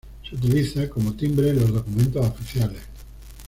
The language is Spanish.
Se utiliza como timbre en los documentos oficiales.